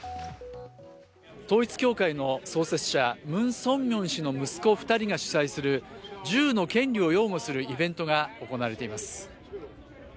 統一教会の創設者、ムン・ソンミョン氏の息子２人が主催する銃の権利を擁護するイベントが行われています。